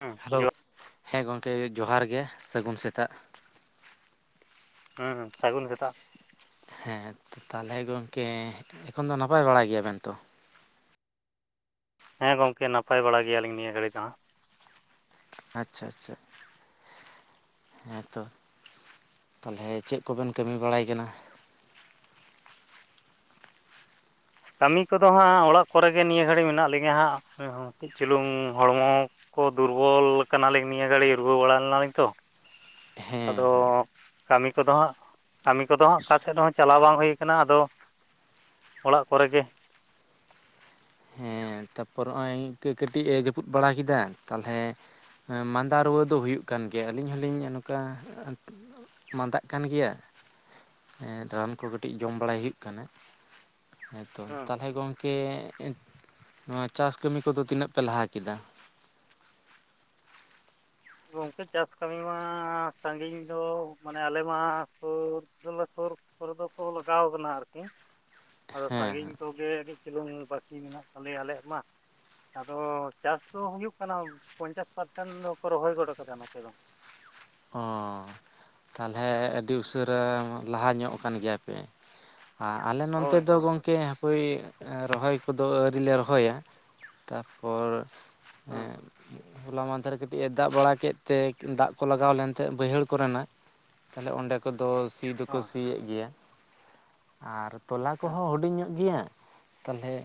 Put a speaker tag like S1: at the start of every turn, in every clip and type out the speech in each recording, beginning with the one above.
S1: ᱦᱩᱸ
S2: ᱦᱮᱞᱳ ᱦᱮᱸ ᱜᱚᱢᱠᱮ ᱡᱚᱦᱟᱨ ᱜᱮ ᱥᱟᱹᱜᱩᱱ ᱥᱮᱛᱟᱜ
S1: ᱥᱟᱹᱜᱩᱱ ᱥᱮᱛᱟᱜ
S2: ᱦᱮᱸ ᱛᱟᱦᱚᱞᱮ ᱜᱚᱝᱠᱮ ᱮᱠᱷᱚᱱ ᱫᱚ ᱱᱟᱯᱟᱭ ᱵᱟᱲᱟ ᱜᱮᱭᱟ ᱵᱮᱱ ᱛᱚ
S1: ᱦᱮᱸ ᱜᱚᱝᱠᱮ ᱱᱟᱯᱟᱭ ᱵᱟᱲᱟ ᱜᱮᱭᱟ ᱞᱤᱧ ᱱᱤᱭᱟᱹ ᱜᱷᱟᱲᱤ ᱫᱚ ᱦᱟᱸᱜ
S2: ᱟᱪᱷᱟ ᱟᱪᱷᱟ ᱦᱮᱸᱛᱚ ᱛᱟᱞᱦᱮ ᱪᱮᱫ ᱠᱚᱵᱮᱱ ᱠᱟᱹᱢᱤ ᱵᱟᱲᱟᱭ ᱠᱟᱱᱟ
S1: ᱠᱟᱹᱢᱤ ᱠᱚᱫᱚ ᱦᱟᱸᱜ ᱚᱲᱟᱜ ᱠᱚᱨᱮ ᱜᱮ ᱱᱤᱭᱟᱹ ᱜᱷᱟᱹᱲᱤᱡ ᱢᱮᱱᱟᱜ ᱞᱤᱧᱟ ᱦᱟᱸᱜ ᱪᱩᱞᱩᱝ ᱦᱚᱲᱢᱚ ᱠᱚ ᱫᱩᱨᱵᱚᱞ ᱠᱟᱱᱟᱞᱤᱧ ᱱᱤᱭᱟᱹ ᱜᱷᱟᱹᱲᱤ ᱨᱩᱣᱟᱹ ᱵᱟᱲᱟ ᱞᱮᱱᱟᱞᱤᱧ ᱛᱚ
S2: ᱦᱮᱸ
S1: ᱟᱫᱚ ᱠᱟᱹᱢᱤ ᱠᱚᱫᱚ ᱦᱟᱸᱜ ᱠᱟᱹᱢᱤ ᱠᱚᱫᱚ ᱦᱟᱸᱜ ᱚᱠᱟ ᱥᱮᱫ ᱦᱚᱸ ᱪᱟᱞᱟᱣ ᱵᱟᱝ ᱦᱩᱭ ᱠᱟᱱᱟ ᱟᱫᱚ ᱚᱲᱟᱜ ᱠᱚᱨᱮ ᱜᱮ
S2: ᱦᱚᱸ ᱛᱟᱨ ᱯᱚᱨ ᱦᱚᱜᱼᱚᱭ ᱠᱟᱹᱴᱤᱡ ᱮ ᱡᱟᱹᱯᱩᱫ ᱵᱟᱲᱟ ᱠᱮᱫᱟ ᱛᱟᱞᱦᱮ ᱢᱟᱫᱟ ᱨᱩᱣᱟᱹ ᱫᱚ ᱦᱩᱭᱩᱜ ᱠᱟᱱ ᱜᱮᱭᱟ᱾ ᱟᱹᱞᱤᱧ ᱦᱚᱞᱤᱧ ᱱᱚᱝᱠᱟ ᱾ ᱢᱟᱫᱟᱜ ᱠᱟᱱ ᱜᱮᱭᱟ, ᱨᱟᱱ ᱠᱚ ᱠᱟᱹᱴᱤᱡ ᱡᱚᱢ ᱵᱟᱲᱟᱭ ᱦᱩᱭᱩᱜ ᱠᱟᱱᱟ ᱾ ᱟᱪᱷᱟ [unintelligible] ᱛᱚ
S1: ᱦᱮᱸ
S2: ᱛᱟᱦᱚᱞᱮ ᱜᱚᱝᱠᱮ ᱱᱚᱣᱟ ᱪᱟᱥ ᱠᱟᱹᱢᱤ ᱠᱚᱫᱚ ᱛᱤᱱᱟᱹᱜ ᱯᱮ ᱞᱟᱦᱟ ᱠᱮᱫᱟ?
S1: ᱜᱚᱝᱠᱮ ᱪᱟᱥ ᱠᱟᱹᱢᱤ ᱢᱟ ᱥᱟᱺᱜᱤᱧ ᱫᱚ ᱢᱟᱱᱮ ᱟᱞᱮ ᱢᱟ ᱥᱩᱨ ᱫᱚᱞᱮ ᱥᱩᱨ ᱠᱚᱨᱮ ᱫᱚ ᱠᱚ ᱞᱟᱜᱟᱣ ᱟᱠᱟᱱᱟ ᱟᱨᱠᱤ ᱟᱫᱚ
S2: ᱦᱮᱸ ᱦᱮᱸ
S1: ᱥᱟᱺᱜᱤᱧ ᱠᱚᱜᱮ ᱠᱟᱴᱤᱡ ᱪᱩᱞᱩᱝ ᱵᱟᱹᱠᱤ ᱢᱮᱱᱟᱜ ᱛᱟᱞᱮᱭᱟ ᱟᱞᱮᱭᱟᱜ ᱢᱟ᱾ ᱟᱫᱚ ᱪᱟᱥ ᱫᱚ ᱦᱩᱭᱩᱜ ᱠᱟᱱᱟ ᱯᱚᱧᱪᱟᱥ ᱯᱟᱨᱥᱮᱱ ᱫᱚᱠᱚ ᱨᱚᱦᱚᱭ ᱜᱚᱫ ᱠᱟᱱᱟ᱾
S2: ᱚ ᱛᱟᱦᱚᱞᱮ ᱟᱹᱰᱤ ᱩᱥᱟᱹᱨᱟ ᱞᱟᱦᱟ ᱧᱚᱜ ᱠᱟᱱ ᱜᱮᱭᱟ ᱯᱮ ᱟᱞᱮ ᱱᱚᱱᱛᱮ
S1: ᱦᱳᱭ
S2: ᱫᱚ
S1: ᱦᱳᱭ ᱦᱳᱭ
S2: ᱜᱚᱝᱠᱮ ᱨᱚᱦᱚᱭ ᱠᱚᱫᱚ ᱟᱣᱨᱤ ᱞᱮ ᱨᱚᱦᱚᱭᱟ ᱛᱟᱨ ᱯᱚᱨ ᱦᱮ
S1: ᱦᱮᱸ
S2: ᱦᱚᱞᱟ ᱢᱟᱦᱫᱮᱨᱮ ᱠᱟᱹᱴᱤᱡ ᱮ ᱫᱟᱜ ᱵᱟᱲᱟ ᱠᱮᱫ ᱛᱮ ᱫᱟᱜ ᱠᱚ ᱞᱟᱜᱟᱣ ᱞᱮᱱ ᱛᱟᱦᱮᱸ ᱵᱟᱹᱭᱦᱟᱹᱲ ᱠᱚᱨᱮ ᱱᱟᱜ᱾ ᱛᱟᱦᱞᱮ ᱚᱸᱰᱮ ᱠᱚᱫᱚ ᱥᱤ ᱫᱚᱠᱚ
S1: ᱦᱳᱭ
S2: ᱥᱤᱭᱮᱫ ᱜᱮᱭᱟ ᱟᱨ ᱛᱚᱞᱟ
S1: ᱦᱮᱸ
S2: ᱠᱚᱦᱚᱸ ᱦᱩᱰᱤᱧ ᱧᱚᱜ ᱜᱮᱭᱟ ᱛᱟᱞᱦᱮ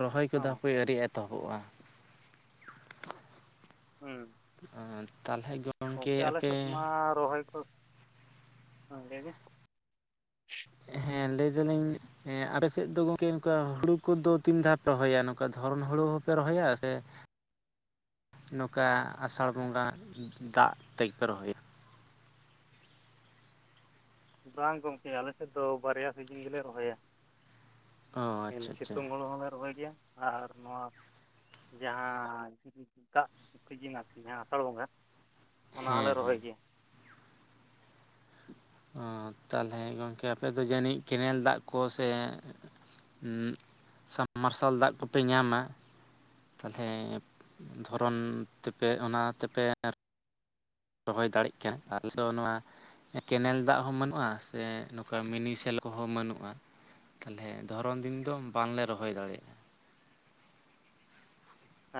S2: ᱨᱚᱦᱚᱭ ᱠᱚᱫᱚ
S1: ᱦᱚᱸ
S2: ᱦᱟᱯᱮ ᱟᱣᱨᱤ ᱮᱛᱚᱦᱚᱜᱼᱟ ᱾
S1: ᱦᱩᱸ
S2: ᱛᱟᱦᱚᱞᱮ ᱜᱚᱢᱠᱮ ᱟᱯᱮ
S1: ᱨᱚᱦᱳᱭ ᱠᱚ [unintelligible]
S2: ᱦᱮᱸ ᱞᱟᱹᱭ ᱫᱟᱞᱤᱧ ᱦᱮᱸ ᱟᱯᱮ ᱥᱮᱫ ᱫᱚ ᱜᱚᱝᱠᱮ ᱱᱚᱝᱠᱟ ᱦᱩᱲᱩ ᱠᱚᱫᱚ ᱛᱤᱱ ᱫᱷᱟᱣ ᱯᱮ ᱨᱚᱦᱚᱭᱟ ᱱᱚᱝᱠᱟ ᱫᱷᱚᱨᱚᱱ ᱦᱩᱲᱩ ᱦᱚᱸᱯᱮ ᱨᱚᱦᱚᱭᱟ ᱥᱮ ᱱᱚᱝᱠᱟ ᱟᱥᱟᱲ ᱵᱚᱸᱜᱟ ᱫᱟᱜ ᱛᱮ ᱜᱮᱠᱚ ᱨᱚᱦᱚᱭᱟ ᱾
S1: ᱵᱟᱝ ᱜᱚᱢᱠᱮ ᱟᱞᱮ ᱥᱮᱫ ᱫᱚ ᱵᱟᱨᱭᱟ ᱥᱤᱡᱤᱱ ᱜᱮᱞᱮ ᱨᱚᱦᱚᱭᱟ᱾
S2: ᱚ ᱟᱪᱪᱷᱟ ᱟᱪᱪᱷᱟ
S1: ᱥᱤᱛᱩᱝ ᱦᱩᱲᱩ ᱦᱚᱞᱮ ᱨᱚᱦᱚᱭ ᱜᱮᱭᱟ ᱟᱨ ᱱᱚᱣᱟ ᱡᱟᱦᱟᱸ ᱫᱟᱜ ᱥᱤᱡᱤᱱ ᱟᱨᱠᱤ ᱡᱟᱦᱟᱸ ᱟᱥᱟᱲ ᱵᱚᱸᱜᱟ ᱚᱱᱟ ᱦᱚᱞᱮ
S2: ᱦᱮᱸ ᱦᱮᱸ
S1: ᱨᱚᱦᱚᱭ ᱜᱮᱭᱟ ᱾
S2: ᱚ ᱛᱟᱦᱚᱞᱮ ᱜᱚᱢᱠᱮ ᱟᱯᱮ ᱫᱚ ᱡᱟᱹᱱᱤᱡ ᱠᱮᱱᱮᱞ ᱫᱟᱜ ᱠᱚ ᱥᱮ ᱥᱟᱵ ᱢᱟᱨᱥᱟᱞ ᱫᱟᱜ ᱠᱚᱯᱮ ᱧᱟᱢᱟ ᱛᱟᱦᱚᱞᱮ ᱫᱷᱚᱨᱚᱱ ᱛᱮᱯᱮ ᱚᱱᱟ ᱛᱮᱯᱮ ᱨᱚᱦᱚᱭ ᱫᱟᱲᱮᱜ ᱠᱟᱱᱟ ᱟ [unintelligible] ᱱᱚᱣ ᱠᱮᱱᱮᱞ ᱫᱟᱜ ᱦᱚᱸ ᱵᱟᱹᱱᱩᱜᱼᱟ, ᱥᱮ ᱱᱚᱝᱠᱟ ᱢᱤᱱᱤ ᱥᱮᱞᱳ ᱦᱚᱸ ᱵᱟᱹᱱᱩᱜᱼᱟ ᱾ ᱛᱟᱞᱦᱮ ᱫᱷᱚᱨᱚᱢ ᱫᱤᱱ ᱫᱚ ᱵᱟᱝᱞᱮ ᱨᱚᱦᱚᱭ ᱫᱟᱲᱮᱭᱟᱜᱼᱟ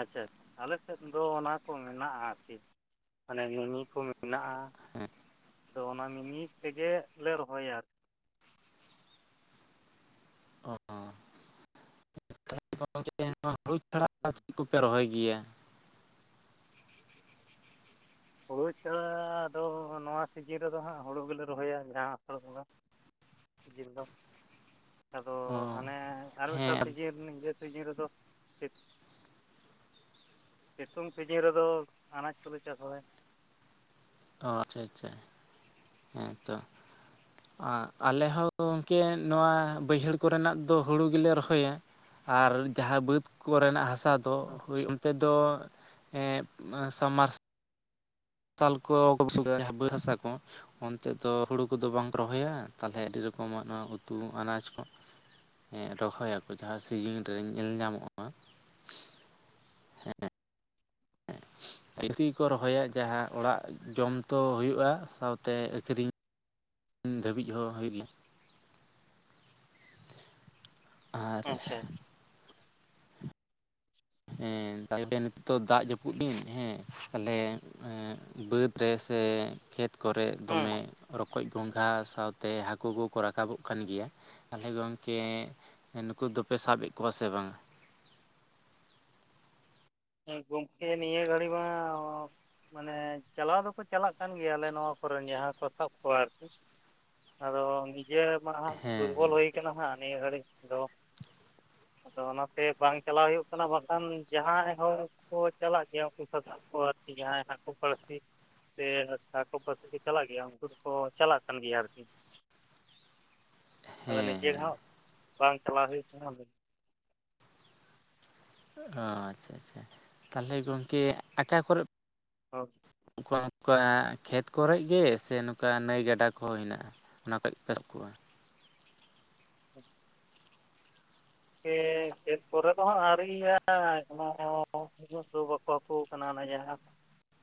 S1: ᱟᱪᱪᱷᱟ ᱟᱪᱪᱷᱟ ᱟᱞᱮ ᱥᱮᱫ ᱫᱚ ᱚᱱᱟ ᱠᱚ ᱢᱮᱱᱟᱜᱼᱟ ᱟᱨᱠᱤ ᱢᱟᱱᱮ [inaudible] ᱠᱚ ᱢᱮᱱᱟᱜᱼᱟ
S2: ᱦᱮᱸ
S1: ᱟᱫᱚ ᱚᱱᱟ ᱢᱤᱢᱤ ᱛᱮᱜᱮ ᱞᱮ ᱨᱚᱦᱚᱭᱟ ᱟᱨᱠᱤ
S2: ᱚ ᱱᱚᱜ ᱡᱮ ᱱᱚᱣᱟ ᱦᱩᱲᱩ ᱪᱷᱟᱲᱟ ᱪᱮᱫ ᱠᱚᱯᱮ [unintelligible] ᱨᱚᱦᱚᱭ ᱜᱮᱭᱟ
S1: ᱦᱩᱲᱩ ᱪᱷᱟᱲᱟ ᱫᱚ ᱱᱚᱣᱟ ᱥᱤᱡᱤᱱ ᱨᱮᱫᱚ ᱦᱟᱸᱜ ᱦᱩᱲᱩ ᱜᱮᱞᱮ ᱨᱚᱦᱚᱭᱟ ᱡᱟᱦᱟᱸ ᱟᱥᱟᱲ ᱵᱚᱸᱜᱟ ᱥᱤᱡᱤᱱ ᱫᱚ ᱟᱫᱚ
S2: ᱚ
S1: ᱦᱟᱱᱮ ᱟᱨᱦᱚ ᱮᱴᱟᱜ
S2: ᱦᱮᱸ
S1: ᱥᱤᱡᱤᱱ ᱤᱭᱟᱹ ᱥᱤᱡᱤᱱ ᱨᱮᱫᱚ ᱥᱤᱛᱩᱝ ᱥᱤᱡᱤᱱ ᱨᱮᱫᱚ ᱟᱱᱟᱡᱽ ᱠᱚᱞᱮ ᱪᱟᱥ ᱵᱟᱲᱟᱭᱟ
S2: ᱚ ᱟᱪᱪᱷᱟ ᱟᱪᱪᱷᱟ ᱦᱮᱸ ᱛᱚ ᱟᱞᱮ ᱦᱚᱸ ᱜᱚᱢᱠᱮ ᱱᱚᱣᱟ ᱵᱟᱹᱭᱦᱟᱹᱲ ᱠᱚᱨᱮᱱᱟᱜ ᱫᱚ ᱦᱩᱲᱩ ᱜᱮᱞᱮ ᱨᱚᱦᱚᱭᱟ ᱟᱨ ᱡᱟᱦᱟᱸ ᱵᱟᱹᱫᱽ ᱠᱚᱨᱮᱱᱟᱜ ᱦᱟᱥᱟ ᱛᱚ ᱦᱳᱭ ᱚᱱᱛᱮ ᱫᱚ ᱥᱟᱢᱟᱨᱥᱟᱞ ᱛᱟᱞ ᱠᱚ [unintelligible] ᱦᱟᱥᱟ ᱠᱚ ᱚᱱᱛᱮ ᱫᱚ ᱦᱩᱲᱩ ᱠᱚᱫᱚ ᱵᱟᱝᱠᱚ ᱨᱚᱦᱚᱭᱟ ᱛᱟᱦᱚᱞᱮ ᱟᱹᱰᱤ ᱨᱚᱠᱚᱢᱟᱜ ᱱᱚᱣᱟ ᱩᱛᱩ ᱟᱱᱟᱡ ᱠᱚ ᱦᱮᱸ ᱨᱚᱦᱚᱭᱟᱠᱚ ᱡᱟᱦᱟᱸ ᱥᱤᱡᱤᱱ ᱨᱮ ᱧᱮᱞ ᱧᱟᱢᱚᱜᱼᱟ ᱤᱠᱚ ᱨᱚᱦᱚᱭᱟ ᱡᱟᱦᱟᱸ ᱚᱲᱟᱜ ᱡᱚᱢ ᱛᱚ ᱦᱩᱭᱩᱜᱼᱟ ᱥᱟᱶᱛᱮ ᱟᱠᱷᱨᱤᱧ ᱫᱷᱟᱹᱵᱤᱡ ᱦᱚᱸ ᱦᱩᱭ ᱞᱮᱭᱟ ᱟᱨ
S1: ᱟᱪᱪᱷᱟ
S2: ᱦᱮᱸ ᱛᱟᱦᱚᱞᱮ ᱱᱤᱛᱳ ᱫᱚ ᱫᱟᱜ ᱡᱟᱹᱯᱩᱫ ᱵᱤᱱ ᱦᱮᱸ ᱛᱟᱦᱞᱮ ᱵᱟᱹᱫᱽ ᱨᱮ ᱥᱮ ᱠᱷᱮᱛ ᱠᱚᱨᱮ ᱫᱚᱢᱮ ᱨᱚᱠᱚᱡ ᱜᱚᱸᱜᱷᱟ ᱥᱟᱶᱛᱮ ᱦᱟᱹᱠᱩ ᱠᱚᱠᱚ ᱨᱟᱠᱟᱵᱚᱜ ᱠᱟᱱ ᱜᱮᱭᱟ ᱛᱟᱦᱚᱞᱮ ᱜᱚᱝᱠᱮ ᱱᱩᱠᱩ ᱫᱚᱯᱮ ᱥᱟᱵ ᱮᱫ ᱠᱚᱣᱟ ᱥᱮ ᱵᱟᱝᱼᱟ
S1: ᱜᱚᱢᱠᱮ ᱱᱤᱭᱟᱹ ᱜᱟᱹᱲᱤ ᱢᱟ ᱢᱟᱱᱮ ᱪᱟᱞᱟᱣ ᱫᱚᱠᱚ ᱪᱟᱞᱟᱜ ᱠᱟᱱ ᱜᱮᱭᱟ ᱟᱞᱮ ᱱᱚᱣᱟ ᱠᱚᱨᱮᱱ ᱡᱟᱦᱟᱸ ᱠᱚ ᱥᱟᱵ ᱠᱚᱣᱟ ᱟᱨᱠᱤ ᱟᱫᱚ ᱱᱤᱡᱮ ᱢᱟ ᱦᱟᱸᱜ
S2: ᱦᱮᱸ
S1: ᱫᱩᱨᱵᱚᱞ
S2: ᱦᱮᱸ
S1: ᱦᱩᱭ ᱠᱟᱱᱟ ᱦᱟᱸᱜ ᱱᱤᱭᱟᱹ ᱜᱷᱟᱹᱲᱤᱡ ᱫᱚ ᱟᱫᱚ ᱚᱱᱟᱛᱮ ᱵᱟᱝ ᱪᱟᱞᱟᱣ ᱦᱩᱭᱩᱜ ᱠᱟᱱᱟ ᱵᱟᱝᱠᱷᱟᱱ ᱡᱟᱦᱟᱸᱭ ᱦᱤᱭ ᱠᱚ ᱪᱟᱞᱟᱜ ᱜᱮᱭᱟ ᱩᱱᱠᱩ ᱥᱟᱫᱟᱜ ᱠᱚ ᱟᱨᱠᱤ ᱡᱟᱦᱟᱸᱭ ᱦᱟᱜ ᱦᱟᱠᱩ ᱵᱟᱲᱥᱤ ᱥᱮ ᱦᱟᱠᱩ ᱯᱟᱥᱤ ᱨᱮᱠᱚ ᱪᱟᱞᱟᱜ ᱜᱮᱭᱟ ᱩᱱᱠᱩ ᱫᱚᱠᱚ ᱪᱟᱞᱟᱜ ᱠᱟᱱ ᱜᱮᱭᱟ ᱟᱨᱠᱤ ᱟᱫᱚ
S2: ᱦᱮᱸ
S1: ᱱᱤᱡᱮ
S2: ᱦᱮᱸ
S1: ᱦᱟᱸᱜ ᱵᱟᱝ ᱪᱟᱞᱟᱣ ᱦᱩᱭᱩᱜ ᱠᱟᱱᱟ
S2: ᱚ ᱟᱪᱪᱷᱟ ᱟᱪᱪᱷᱟ ᱛᱟᱦᱚᱞᱮ ᱜᱚᱝᱠᱮ ᱟᱠᱟ ᱠᱚᱨᱮ
S1: ᱚ [unintelligible]
S2: ᱚᱠᱟ ᱱᱚᱝᱠᱟ ᱠᱷᱮᱛ ᱠᱚᱨᱮ ᱜᱮ ᱥᱮ ᱱᱚᱝᱠᱟ ᱱᱟᱹᱭ ᱜᱟᱰᱟ ᱠᱚᱦᱚᱸ ᱦᱮᱱᱟᱜᱼᱟ ᱚᱱᱟ ᱠᱟᱹ ᱯᱮ ᱠᱚᱣᱟ
S1: ᱠᱷᱮᱛ ᱠᱚᱨᱮ ᱫᱚ ᱦᱟᱸᱜ ᱟᱹᱨᱤᱭᱟᱭ ᱚᱱᱟ ᱦᱚᱸ ᱫᱚ ᱵᱟᱠᱚ ᱠᱟᱱᱟ ᱚᱱᱟ ᱡᱟᱦᱟᱸ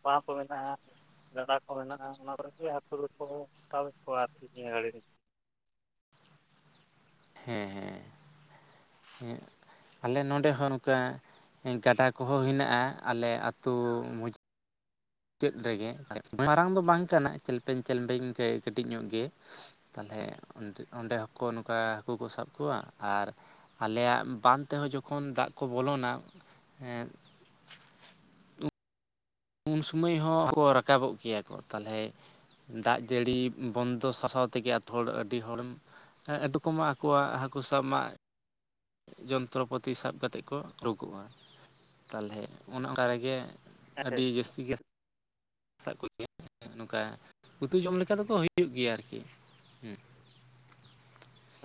S1: ᱵᱟᱠᱚ ᱢᱮᱱᱟᱜᱼᱟ ᱜᱟᱰᱟ ᱠᱚ ᱢᱮᱱᱟᱜᱼᱟ ᱚᱱᱟ ᱠᱚᱨᱮᱜᱮ ᱦᱟᱹᱠᱩ ᱠᱚ ᱥᱟᱵᱣᱮᱫ ᱠᱚᱣᱟ ᱟᱨᱠᱤ ᱱᱤᱭᱟᱹ ᱜᱷᱟᱹᱲᱤ ᱨᱮᱜᱮ
S2: ᱦᱮᱸ ᱦᱮᱸ ᱦᱮ ᱟᱞᱮ ᱱᱚᱸᱰᱮ ᱦᱚᱸ ᱱᱚᱝᱠᱟ ᱜᱟᱰᱟ ᱠᱚᱦᱚᱸ ᱦᱮᱱᱟᱜᱼᱟ ᱟᱞᱮ ᱟᱹᱛᱩ ᱢᱚᱡᱽ ᱢᱩᱪᱟᱹᱫ ᱨᱮᱜᱮ ᱢᱟᱨᱟᱝ ᱫᱚ ᱵᱟᱝ ᱠᱟᱱᱟ ᱪᱮᱞᱯᱮᱝ ᱪᱮᱞᱯᱮᱝ ᱠᱟᱹᱴᱤᱡ ᱧᱚᱜ ᱜᱮ ᱛᱟᱦᱞᱮ ᱚᱸᱰᱮ ᱦᱚᱸ ᱠᱚ ᱱᱚᱝᱠᱟ ᱦᱟᱹᱠᱩ ᱠᱚ ᱥᱟᱵ ᱠᱚᱣᱟ ᱟᱨ ᱟᱞᱮᱭᱟᱜ ᱵᱟᱸᱫᱷ ᱛᱮᱦᱚᱸ ᱡᱚᱠᱷᱚᱱ ᱫᱟᱜ ᱠᱚ ᱵᱚᱞᱚᱱᱟ ᱩᱱ ᱥᱩᱢᱟᱹᱭ ᱦᱚᱸ ᱨᱟᱠᱟᱵᱚᱜ ᱜᱮᱭᱟ ᱠᱚ ᱛᱟᱞᱦᱮ ᱫᱟᱜ ᱡᱟᱹᱲᱤ ᱵᱚᱱᱫᱚ ᱥᱟᱥᱟᱣ ᱛᱮᱜᱮ ᱟᱛᱩ ᱦᱚᱲ ᱟᱹᱰᱤ ᱦᱚᱲᱮᱢ ᱮᱰᱩᱚᱠᱚᱢᱟᱜ ᱟᱠᱚᱣᱟᱜ ᱦᱟᱹᱠᱩ ᱥᱟᱵ ᱢᱟ ᱡᱚᱱᱛᱨᱚ ᱯᱟᱹᱛᱤ ᱥᱟᱵ ᱠᱟᱛᱮᱫ ᱠᱚ ᱩᱰᱩᱠᱚᱜ-ᱟ ᱛᱟᱞᱦᱮ ᱚᱱᱮ ᱚᱱᱠᱟ ᱨᱮᱜᱮ
S1: ᱦᱮᱸ
S2: ᱟᱹᱰᱤ
S1: ᱥᱮ
S2: ᱡᱟᱹᱥᱛᱤ ᱜᱮ [unintelligible] ᱱᱚᱠᱟ ᱩᱛᱩ ᱡᱚᱢ ᱞᱮᱠᱟ ᱫᱚᱠᱚ ᱦᱩᱭᱩᱜ ᱜᱮᱭᱟ ᱟᱨᱠᱤ ᱦᱩᱸ᱾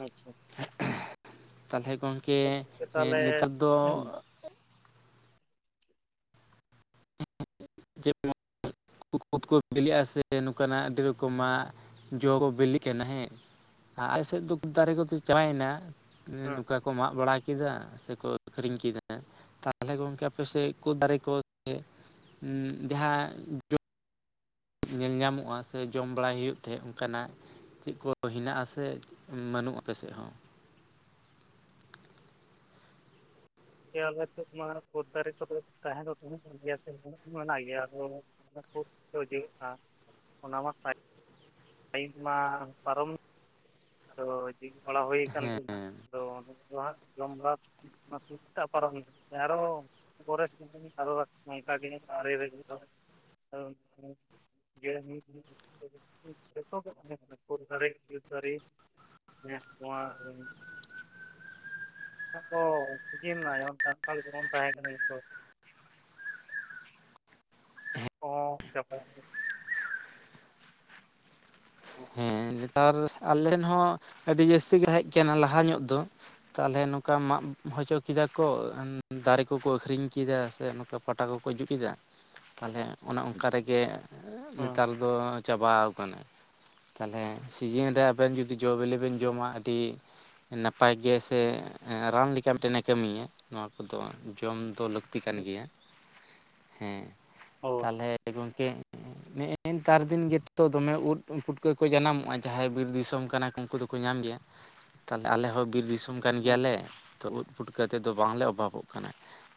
S1: ᱟᱪᱪᱷᱟ
S2: ᱛᱟᱦᱚᱞᱮ ᱜᱚᱝᱠᱮ
S1: [unintelligible]
S2: ᱱᱮᱛᱟᱨ
S1: ᱛᱟᱦᱚᱞᱮ ᱦᱮᱸᱢ
S2: ᱫᱚ [unintelligible] ᱪᱮᱫ ᱠᱩᱛ [unintelligible] ᱩᱛ ᱠᱚ ᱵᱤᱞᱤᱜ-ᱟ ᱥᱮ ᱱᱚᱝᱠᱟᱱᱟᱜ ᱟᱹᱰᱤ ᱨᱚᱠᱚᱢᱟᱜ ᱡᱚᱠᱚ ᱵᱤᱞᱤᱜ ᱠᱟᱱᱟ ᱦᱮᱸ ᱟᱞᱮ ᱥᱮᱫ ᱫᱚ ᱠᱩᱫᱚ ᱫᱟᱨᱮ ᱠᱚᱫᱚ ᱪᱟᱵᱟᱭᱮᱱᱟ ᱱᱚᱝᱠᱟ ᱠᱚ ᱢᱟᱜ ᱵᱟᱲᱟ ᱠᱮᱫᱟ, ᱥᱮᱠᱚ ᱟᱹᱠᱷᱨᱤᱧ ᱠᱮᱫᱟ, ᱛᱟᱦᱚᱞᱮ ᱜᱚᱝᱠᱮ ᱟᱯᱮᱥᱮᱜ ᱠᱩᱫ ᱫᱟᱨᱮ ᱠᱚ [unintelligible] ᱩ ᱡᱟᱦᱟᱸ [unintelligible] ᱧᱮᱞ ᱧᱟᱢᱚᱜᱼᱟ ᱥᱮ ᱡᱚᱢ ᱵᱟᱲᱟᱭ ᱦᱩᱭᱩᱜ ᱛᱟᱦᱮᱸᱫ ᱚᱱᱠᱟᱱᱟᱜ, ᱪᱮᱫ ᱠᱚ ᱦᱮᱱᱟᱜ ᱟ ᱥᱮ ᱵᱟᱹᱱᱩᱜ ᱟᱯᱮᱥᱮᱫ ᱦᱚᱸ
S1: ᱠᱮ ᱟᱞᱮ ᱥᱮᱫ ᱢᱟ ᱠᱩᱫ ᱫᱟᱨᱮ ᱠᱚᱫᱚ ᱛᱟᱦᱮᱸ ᱫᱚ ᱛᱟᱦᱮᱸ ᱜᱮᱭᱟ ᱥᱮ ᱢᱮᱱᱟᱜ ᱢᱮᱱᱟᱜ ᱜᱮᱭᱟ, ᱟᱫᱚ [unintelligible] ᱠᱩᱫ ᱠᱩᱠᱚ ᱤᱫᱤᱭᱮᱫ ᱠᱲᱱ ᱚᱱᱟ ᱢᱟ ᱯᱷᱟᱭ ᱯᱟᱭᱤᱵ ᱢᱟ ᱯᱟᱨᱚᱢ ᱟᱫᱚ [unintelligible] ᱵᱟᱲᱟ ᱦᱩᱭᱩ ᱠᱟᱱ
S2: ᱦᱮᱸ
S1: ᱜᱤᱭᱟ ᱦᱟᱸᱜ ᱟᱫᱚ [unintelligible] ᱦᱟᱸᱜ ᱡᱚᱢ ᱵᱟᱲᱟ [unintelligible] [unintelligible] ᱱᱚᱝ ᱠᱟ ᱜᱤ [unintelligible] [unintelligible] ᱡᱚᱛᱚ ᱜᱮ ᱛᱟᱦᱮᱸ ᱠᱟᱱᱟ ᱠᱩᱫ ᱫᱟᱨᱮ, ᱠᱷᱮᱡᱩᱨ ᱫᱟᱨᱮ᱾ [unintelligible] ᱠᱩᱭᱟ [unintelligible] ᱥᱟᱱᱛᱟᱞ ᱜᱮ ᱵᱚᱱ ᱛᱟᱸᱦᱮ ᱠᱟᱱᱟ ᱡᱚᱛᱚ [unintelligible] [inaudible]
S2: ᱦᱮᱸ ᱱᱮᱛᱟᱨ ᱟᱞᱮᱱ ᱦᱚᱸ ᱟᱹᱰᱤ ᱡᱟᱹᱥᱛᱤ ᱜᱮ ᱦᱮᱡ ᱠᱟᱱᱟ ᱞᱟᱦᱟ ᱧᱚᱜ ᱫᱚ᱾ ᱛᱟᱦᱚᱞᱮ ᱱᱚᱝᱠᱟ ᱢᱟᱜ ᱦᱚᱪᱚ ᱠᱮᱫᱟ ᱠᱚ ᱫᱟᱨᱮ ᱠᱚᱠᱚ ᱟᱹᱠᱷᱨᱤᱧ ᱠᱮᱫᱟ ᱥᱮ ᱱᱚᱝᱠᱟ ᱯᱟᱴᱟ ᱠᱚ ᱠᱚ ᱡᱩᱛ ᱮᱫᱟ ᱛᱟᱦᱚᱞᱮ ᱚᱱᱮ ᱚᱝᱠᱟ ᱨᱮᱜᱮ ᱱᱮᱛᱟᱨ ᱫᱚ ᱪᱟᱵᱟᱣ ᱠᱟᱱᱟ ᱛᱟᱞᱦᱮ ᱥᱤᱡᱤᱱ ᱨᱮ ᱟᱵᱮᱱ ᱡᱩᱫᱤ ᱡᱚ ᱵᱤᱞᱤ ᱵᱮᱱ ᱡᱚᱢᱟ ᱟᱹᱰᱤ ᱱᱟᱯᱟᱭ ᱜᱮ ᱥᱮ ᱮᱸ ᱨᱟᱱ ᱞᱮᱠᱟ ᱢᱤᱜᱴᱮᱱᱮ ᱠᱟᱹᱢᱤᱭᱟ ᱱᱚᱣᱟ ᱠᱚᱫᱚ ᱡᱚᱢ ᱫᱚ ᱞᱟᱹᱠ ᱛᱤ ᱠᱟᱱ ᱜᱮᱭᱟ ᱦᱮᱸ
S1: ᱦᱳᱭ
S2: ᱛᱟᱦᱚᱞᱮ ᱜᱚᱝᱠᱮ ᱱᱮᱜ-ᱮ ᱱᱮᱛᱟᱨ ᱫᱤᱱ ᱜᱮᱛᱚ ᱫᱚᱢᱮ ᱩᱫ ᱯᱩᱴᱠᱟᱹ ᱠᱚ ᱡᱟᱱᱟᱢᱚᱜ, ᱚᱭ ᱡᱟᱦᱟᱸᱭ ᱵᱤᱨ ᱫᱤᱥᱚᱢ ᱠᱟᱱᱟ ᱠᱩ ᱩᱱᱠᱩ ᱫᱩᱠᱩ ᱧᱟᱢ ᱜᱤᱭᱟ ᱛᱟᱦᱚᱞᱮ ᱟᱞᱮ ᱦᱚᱸ ᱵᱤᱨ ᱫᱤᱥᱚᱢ ᱠᱟᱱ
S1: ᱦᱩᱸ
S2: ᱜᱤᱭᱟᱞᱮ ᱛᱚ ᱩᱫ ᱯᱩᱴᱠᱟᱹ ᱛᱮᱫᱚ ᱵᱟᱝᱞᱮ ᱚᱵᱷᱟᱵᱚᱜ ᱠᱟᱱᱟ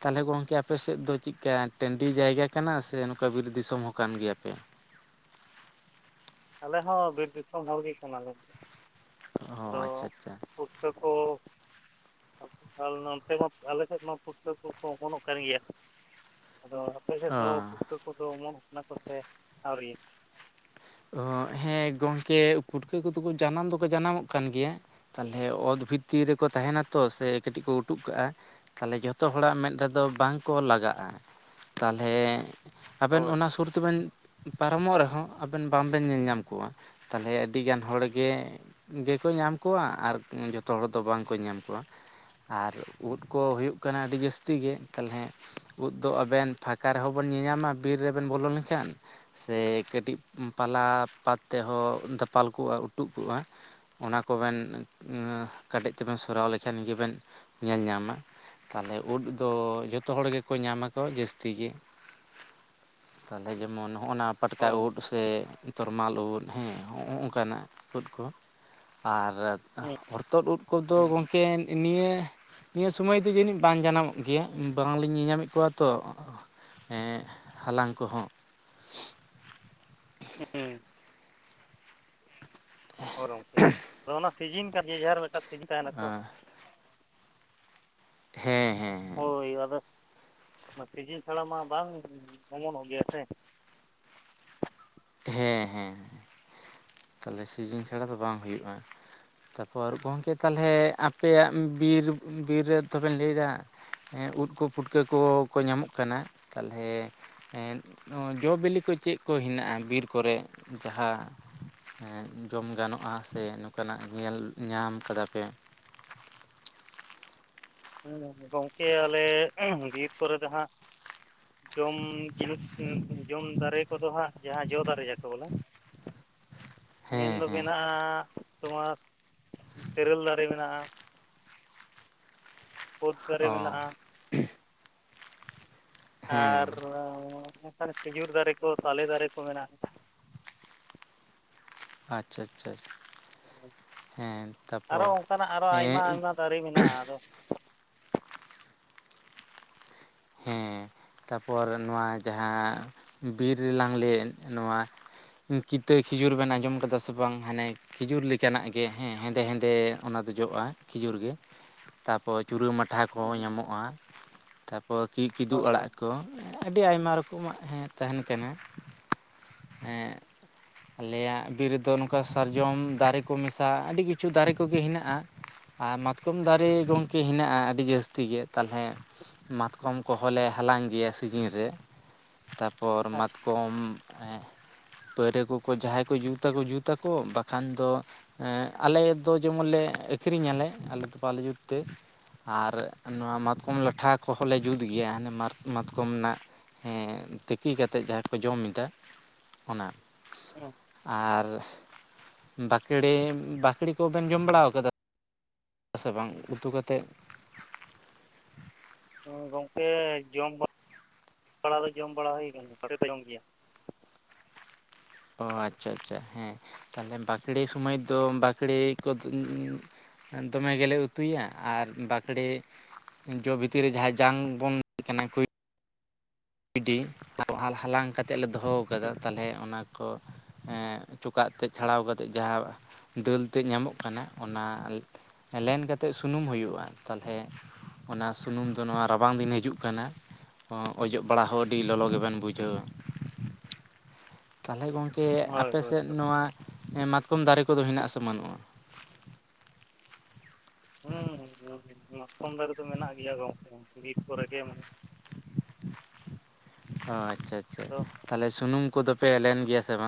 S2: ᱛᱟᱞᱦᱮᱴᱮ ᱜᱚᱝᱠᱮ ᱟᱯᱮ ᱥᱮᱫ ᱫᱚ ᱪᱤᱜᱠᱟ ᱴᱟᱺᱰᱤ ᱡᱟᱭᱜᱟ ᱠᱟᱱᱟ ᱥᱮ ᱱᱚᱝᱠᱟ ᱵᱤᱨ ᱫᱤᱥᱚᱢ ᱦᱚᱸ ᱠᱟᱱ ᱜᱤᱭᱟᱯᱮ?
S1: ᱟᱞᱮ ᱦᱚᱸ ᱵᱤᱨ ᱫᱤᱥᱚᱢ ᱦᱚᱲ ᱜᱤ ᱠᱟᱱᱟ ᱞᱮ᱾
S2: ᱚ ᱟᱪᱪᱷᱟ ᱟᱪᱪᱷᱟ
S1: ᱯᱩᱴᱠᱟᱹ ᱠᱚ ᱟᱯᱮ ᱟᱞ ᱱᱚᱛᱮ ᱦᱚᱸ ᱟᱞᱮᱥᱮᱫ ᱱᱚ ᱯᱩᱴᱠᱟᱹ ᱠᱚ ᱠᱚ ᱦᱚᱯᱚᱱᱚᱜ ᱠᱟᱱ ᱜᱤᱭᱟ ᱟᱫᱚ ᱟᱯᱮᱥᱮᱜ ᱫᱚ ᱯᱩᱴᱠᱟᱹ ᱠᱚᱫᱚ ᱚᱢᱚᱱᱚᱜ ᱠᱟᱱᱟ ᱠᱚ ᱥᱮ ᱟᱹᱣᱨᱤ?
S2: ᱚ ᱦᱮᱸ ᱜᱚᱝᱠᱮ ᱯᱩᱴᱠᱟᱹ ᱠᱩᱫᱚ ᱠᱩ ᱡᱟᱱᱟᱢ ᱫᱚᱠᱚ ᱡᱟᱱᱟᱢᱚᱜ ᱠᱟᱱ ᱜᱤᱭᱟ᱾ ᱛᱟᱞᱦᱮ ᱚᱛ ᱵᱷᱤᱛᱤᱨ ᱨᱮᱠᱚ ᱛᱟᱦᱮᱱᱟ ᱛᱚ ᱥᱮ ᱠᱟᱹᱴᱤᱡ ᱠᱚ ᱩᱴᱩᱜ ᱠᱟᱜ-ᱟ ᱛᱟᱦᱚᱞᱮ ᱡᱚᱛᱚ ᱦᱚᱲᱟᱜ ᱢᱮᱸᱫ ᱨᱮᱫᱚ ᱵᱟᱝᱠᱚ ᱞᱟᱜᱟᱜ-ᱟ ᱛᱟᱦᱚᱞᱮ ᱟᱵᱮᱱ
S1: ᱦᱳᱭ
S2: ᱚᱱᱟ ᱥᱩᱨ ᱛᱮᱵᱮᱱ ᱯᱟᱨᱚᱢᱚᱜ ᱨᱮᱦᱚᱸ ᱟᱵᱮᱱ ᱵᱟᱝᱵᱮᱱ ᱧᱮᱞ ᱧᱟᱢ ᱠᱩᱣᱟ ᱛᱟᱦᱚᱞᱮ ᱟᱹᱰᱤᱜᱟᱱ ᱦᱚᱲᱜᱮ ᱜᱤᱠᱩ ᱧᱟᱢ ᱠᱚᱣᱟ ᱟᱨ ᱡᱚᱛᱚ ᱦᱚᱲ ᱫᱚ ᱵᱟᱝᱠᱚ ᱧᱟᱢ ᱠᱚᱣᱟ ᱟᱨ ᱩᱫ ᱠᱚ ᱦᱩᱭᱩᱜ ᱠᱟᱱᱟ ᱟᱹᱰᱤ ᱡᱟᱹᱥᱛᱤ ᱜᱮ ᱛᱟᱞᱦᱮ ᱩᱫ ᱫᱚ ᱟᱵᱮᱱ ᱯᱷᱟᱸᱠᱟ ᱨᱮᱦᱚᱸ ᱵᱚᱱ ᱧᱮᱧᱟᱢᱟ ᱵᱤᱨ ᱨᱮᱵᱮᱱ ᱵᱚᱞᱚ ᱞᱮᱱᱠᱷᱟᱱ ᱥᱮ ᱠᱟᱹᱴᱤᱡ ᱯᱟᱞᱟ ᱯᱟᱛ ᱛᱮᱦᱚᱸ ᱫᱟᱯᱟᱞ ᱠᱚᱜ-ᱟ ᱩᱴᱩᱜ ᱠᱚᱜ-ᱟ ᱚᱱᱟ ᱠᱚᱵᱮᱱ ᱟᱸ ᱠᱟᱰᱮᱡ ᱛᱮᱵᱮᱱ ᱥᱚᱨᱟᱣ ᱞᱮᱠᱷᱟᱱ ᱜᱮᱵᱮᱱ ᱧᱮᱞ ᱧᱟᱢᱟ᱾ ᱛᱟᱦᱞᱮ ᱩᱫ ᱫᱚ ᱡᱚᱛᱚ ᱦᱚᱲ ᱜᱮᱠᱚ ᱧᱟᱢᱟ ᱠᱚ ᱡᱟᱹᱥᱛᱤ ᱜᱮ ᱛᱟᱞᱦᱮ ᱡᱮᱢᱚᱱ ᱦᱚᱜ-ᱚ ᱱᱟᱯ ᱯᱟᱴᱠᱟ
S1: ᱦᱳᱭ
S2: ᱩᱫ ᱥᱮ ᱛᱚᱨᱢᱟᱞ ᱩᱫ ᱦᱮᱸ ᱦᱮᱸ ᱚᱼᱚ ᱱᱚᱝᱠᱟᱱᱟᱜ ᱩᱫ ᱠᱚ ᱟᱨ
S1: ᱦᱩᱸ
S2: ᱦᱚᱨᱛᱚᱫ ᱩᱫ ᱠᱚᱫᱚ ᱜᱚᱝᱠᱮ ᱱᱤᱭᱟᱹ ᱱᱤᱭᱟᱹ ᱥᱚᱢᱚᱭ ᱫᱚ ᱡᱟᱹᱱᱤᱡ ᱵᱟᱝ ᱡᱟᱱᱟᱢᱚᱜ ᱜᱮᱭᱟ ᱵᱟᱝᱞᱤᱧ ᱧᱮᱧᱟᱢᱮᱜ ᱠᱚᱣᱟ ᱛᱚ᱾ ᱦᱮᱸ ᱦᱟᱞᱟᱝ ᱠᱚᱦᱚᱸ
S1: ᱦᱮᱸ ᱦᱳᱭ ᱜᱚᱝᱠᱮ, ᱟᱫᱚ ᱚᱱᱟ ᱥᱤᱡᱤᱱ ᱛᱟᱨ ᱡᱮᱡᱟᱨ ᱢᱩᱫᱴᱟᱝ ᱥᱤᱡᱤᱱ ᱛᱟᱦᱮᱸᱱᱟ ᱛᱚ
S2: ᱦᱮᱸ ᱦᱮᱸ
S1: ᱦᱳᱭ ᱟᱫᱚ ᱚᱱᱟ ᱥᱤᱡᱤᱱ ᱪᱷᱟᱲᱟ ᱢᱟ ᱵᱟᱝ ᱚᱢᱚᱱᱚᱜ ᱜᱮᱭᱟ ᱥᱮ᱾
S2: ᱦᱮᱸ ᱦᱮᱸ ᱛᱟᱞᱦᱮ ᱥᱤᱡᱤᱱ ᱪᱷᱟᱲᱟ ᱫᱚ ᱵᱟᱝ ᱦᱩᱭᱩᱜᱼᱟ᱾ ᱛᱟᱯᱚᱨ ᱜᱚᱝᱠᱮ ᱛᱟᱞᱦᱮ ᱟᱯᱮᱭᱟᱜ ᱵᱤᱨ ᱵᱤᱨ ᱨᱮ ᱛᱚᱵᱮᱱ ᱞᱟᱹᱭᱫᱟ᱾ ᱦᱮᱸ ᱩᱫ ᱠᱚ ᱯᱩᱴᱠᱟᱹ ᱠᱚ ᱠᱚ ᱧᱟᱢᱚᱜ ᱠᱟᱱᱟ ᱛᱟᱞᱦᱮ ᱦᱮᱸᱜ ᱚᱸ ᱡᱚᱼᱵᱤᱞᱤ ᱠᱚ ᱪᱮᱫ ᱠᱚ ᱦᱮᱱᱟᱜᱼᱟ ᱵᱤᱨ ᱠᱚᱨᱮ ᱾ ᱡᱟᱦᱟ ᱦᱮᱸ ᱡᱚᱢ ᱜᱟᱱᱚᱜᱼᱟ ᱥᱮ ᱱᱚᱝᱠᱟᱱᱟᱜ ᱧᱮᱞ ᱧᱟᱢ ᱠᱟᱫᱟ ᱯᱮ
S1: [unintelligible] ᱜᱚᱝᱠᱮ ᱟᱞᱮ ᱵᱤᱨ ᱠᱥᱩᱨ ᱨᱮ ᱫᱚ ᱦᱟᱸᱜ ᱡᱚᱢ ᱡᱤᱱᱤᱥ ᱡᱚᱢ ᱫᱟᱨᱮ ᱠᱚᱫᱚ ᱦᱟᱸᱜ ᱡᱟᱦᱟᱸ ᱡᱚ ᱫᱟᱨᱮ ᱡᱟᱠᱮ ᱵᱚᱞᱮ
S2: [unintelligible] ᱦᱮᱸ
S1: ᱢᱮᱱᱫᱚ
S2: ᱦᱮᱸ
S1: ᱢᱮᱱᱟᱜᱼᱟ ᱛᱳᱢᱟᱨ ᱛᱤᱨᱮᱞ ᱫᱟᱨᱮ ᱢᱮᱱᱟᱜᱼᱟ᱾ ᱠᱳᱫ ᱫᱟᱨᱮ
S2: ᱚ
S1: ᱢᱮᱱᱟᱜᱼᱟ
S2: ᱦᱮᱸ
S1: ᱟᱨ ᱚᱝᱠᱟᱱ ᱠᱷᱤᱡᱩᱨ ᱫᱟᱨᱮ ᱠᱚ ᱛᱟᱞᱮ ᱫᱟᱨᱮ ᱠᱚ ᱢᱮᱱᱟᱜᱼᱟ᱾
S2: ᱟᱪᱷᱟ ᱟᱪᱷᱟ ᱟᱪᱷᱟ
S1: ᱟᱨᱚ ᱚᱝᱠᱟᱱᱟᱜ ᱟᱨᱚ ᱟᱭᱢᱟ
S2: ᱦᱮᱸ
S1: ᱟᱭᱢᱟ ᱫᱟᱨᱮ ᱢᱮᱱᱟᱜᱼᱟ᱾ ᱟᱫᱚ
S2: ᱦᱮᱸ ᱛᱟᱯᱚᱨ ᱱᱚᱶᱟ ᱡᱟᱦᱟᱸ ᱵᱤᱨ ᱨᱮᱞᱟᱟᱝ ᱞᱟᱹᱭᱮᱫ ᱱᱚᱶᱟ ᱠᱤᱛᱟᱹ ᱠᱷᱤᱡᱩᱨ ᱵᱮᱱ ᱟᱸᱡᱚᱢ ᱠᱟᱫᱟ ᱥᱮ ᱵᱟᱝ? ᱦᱟᱱᱮ ᱠᱷᱤᱡᱩᱨ ᱞᱮᱠᱟᱱᱟᱜ ᱜᱮ ᱦᱮᱸ ᱦᱮᱸᱫᱮ ᱦᱮᱸᱫᱮ ᱚᱱᱟ ᱫᱚ ᱡᱚᱜᱼᱟ ᱠᱷᱤᱡᱩᱨ ᱜᱮ ᱛᱟᱯᱚᱨ ᱪᱩᱨᱟᱹ ᱢᱟᱴᱷᱟ ᱠᱚ
S1: ᱦᱳᱭ
S2: ᱧᱟᱢᱚᱜᱼᱟ᱾ ᱯᱚ ᱠᱤᱼᱠᱤᱫᱩ
S1: ᱦᱳᱭ
S2: ᱟᱲᱟᱜ ᱠᱚ ᱟᱹᱰᱤ ᱟᱭᱢᱟ ᱨᱚᱠᱚᱢᱟᱜ ᱛᱟᱦᱮᱸᱱ ᱠᱟᱱᱟ᱾ ᱦᱮᱸ ᱟᱞᱮᱭᱟᱜ ᱵᱤᱨ ᱨᱮᱫᱚ ᱱᱚᱝᱠᱟ ᱥᱟᱨᱡᱚᱢ ᱫᱟᱨᱮ ᱠᱚ ᱢᱮᱥᱟ ᱟᱹᱰᱤ ᱠᱤᱪᱷᱩ ᱫᱟᱨᱮ ᱠᱚᱜᱮ ᱦᱮᱱᱟᱜᱼᱟ ᱟᱨ ᱢᱟᱛᱠᱚᱢ ᱫᱟᱨᱮ ᱜᱚᱝᱠᱮ ᱦᱮᱱᱟᱜᱼᱟ ᱟᱹᱰᱤ ᱡᱟᱹᱥᱛᱤ ᱜᱮ ᱛᱟᱞᱦᱮ ᱢᱟᱛᱠᱚᱢ ᱠᱚᱦᱚᱸᱞ ᱞᱮ ᱦᱟᱞᱟᱝ ᱜᱮᱭᱟ ᱥᱤᱡᱤᱱ ᱨᱮ᱾ ᱛᱟᱯᱚᱨ
S1: ᱟᱪᱪᱷᱟ
S2: ᱢᱟᱛᱠᱚᱢ ᱮᱸᱜ ᱯᱟᱹᱨᱟᱹ ᱠᱚᱠᱚ ᱡᱟᱦᱟᱭ ᱠᱚ ᱡᱩᱛᱟᱠᱚ ᱡᱩᱛᱟᱠᱚ ᱵᱟᱠᱷᱟᱱ ᱫᱚ ᱟᱞᱮ ᱫᱚ ᱡᱮᱢᱚᱱ ᱞᱮ ᱟᱹᱠᱷ ᱟᱹᱠᱨᱤ ᱧᱟᱞᱮ ᱟᱞᱮ ᱫᱚ ᱵᱟᱞᱮ ᱡᱩᱛ ᱛᱮ ᱟᱨ ᱱᱚᱣᱟ ᱢᱟᱛᱠᱚᱢ ᱞᱟ ᱴᱷᱟ ᱠᱚᱦᱚᱸᱞ ᱞᱮ ᱡᱩᱛ ᱜᱮᱭᱟ ᱦᱟᱱᱮ ᱢᱟᱛᱼᱢᱟᱛᱠᱚᱢ ᱱᱟᱜ ᱦᱮᱸ ᱛᱤᱠᱤ ᱠᱟᱛᱮᱜ ᱡᱟᱦᱟᱸ ᱠᱚ ᱡᱚᱢ ᱮᱫᱟ ᱚᱱᱟ ᱟᱨ ᱵᱟᱠᱲᱮ ᱵᱟᱹᱠᱲᱤ ᱠᱩᱵᱮᱱ ᱡᱚᱢ ᱵᱟᱲᱟᱣ ᱠᱟᱫᱟ?. ᱥᱮ ᱵᱟᱝ ᱩᱛᱩ ᱠᱟᱛᱮᱜ
S1: ᱦᱚᱸ ᱜᱚᱝᱠᱮ ᱡᱚᱢ ᱵᱟ [inaudible] ᱲᱟ ᱫᱚ ᱡᱚᱢ ᱵᱟᱲᱟ ᱦᱩᱭ ᱠᱟᱱ ᱜᱮᱭᱟ [unintelligible] ᱡᱚᱢ ᱜᱮᱭᱟ
S2: ᱚ ᱟᱪᱷᱟ ᱟᱪᱷᱟ ᱦᱮᱸ ᱛᱟᱞᱦᱮ ᱵᱟᱠᱲᱮ ᱥᱚᱢᱚᱭ ᱫᱚ ᱵᱟᱠᱲᱮ ᱠᱚ ᱩᱸᱻ ᱫᱚᱢᱮ ᱜᱮᱞᱮ ᱩᱛᱩᱭᱟ ᱟᱨ ᱵᱟᱠᱲᱮ ᱡᱚ ᱵᱷᱤᱛᱤᱨ ᱨᱮ ᱡᱟᱦᱟᱸᱭ ᱡᱟᱝ ᱵᱚᱱ [unintelligible] ᱠᱩᱭ ᱰᱤ ᱦᱟᱞᱼᱦᱟᱞᱟᱝ ᱠᱟᱛᱮᱜ ᱞᱮ ᱫᱚᱦᱚ ᱠᱟᱫᱟ ᱛᱟᱞᱦᱮ ᱚᱱᱟ᱾ ᱠᱚ ᱦᱮᱸ ᱪᱚᱠᱟᱜ ᱛᱮᱜ ᱪᱷᱟᱲᱟᱣ ᱠᱟᱛᱮᱜ ᱡᱟᱦᱟᱣ ᱫᱟᱹᱞ ᱛᱮᱜ ᱧᱟᱢᱚᱜ ᱠᱟᱱᱟ ᱚᱱᱟ ᱞᱮᱱ ᱠᱟᱛᱮᱜ ᱥᱩᱱᱩᱢ ᱦᱩᱭᱩᱜᱼᱟ ᱛᱟᱞᱦᱮ ᱚᱱᱟ ᱥᱩᱱᱩᱢ ᱫᱚ ᱱᱚᱣᱟ ᱨᱟᱵᱟᱝ ᱫᱤᱱ ᱦᱤᱡᱩᱜ ᱠᱟᱱᱟ ᱚᱸ ᱚᱡᱚᱜ ᱯᱟᱲᱦᱚᱸ ᱟᱹᱰᱤ ᱞᱚᱞᱚ ᱜᱮᱵᱮᱱ ᱵᱩᱡᱷᱟᱹᱣ ᱛᱟᱞᱦᱮ ᱜᱚᱝᱠᱮ
S1: ᱦᱳᱭ
S2: ᱟᱯᱮ
S1: ᱦᱳᱭ
S2: ᱥᱮᱫ ᱱᱚᱣᱟ ᱮᱸ ᱢᱟᱛᱠᱚᱢ ᱫᱟᱨᱮ ᱠᱚᱫᱚ ᱦᱮᱱᱟᱜ ᱟᱥᱮ ᱵᱟᱹᱱᱩᱜᱼᱟ?. [unintelligible]
S1: [unintelligible] ᱠᱚᱢ ᱫᱟᱨᱮ ᱫᱚ ᱢᱮᱱᱟᱜ ᱜᱮᱭᱟ ᱜᱚᱝᱠᱮ ᱵᱤᱨ ᱠᱚᱨᱮ ᱜᱮ ᱢᱟᱱᱮ
S2: ᱚ ᱟᱪᱷᱟ ᱟᱪᱷᱟ
S1: ᱟᱫᱚ
S2: ᱛᱟᱦᱞᱮ ᱥᱩᱱᱩᱢ ᱠᱚᱫᱚ ᱯᱮ ᱞᱮᱱ ᱜᱮᱭᱟ ᱥᱮ ᱵᱟᱝ?